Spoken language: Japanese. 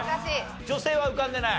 女性は浮かんでない？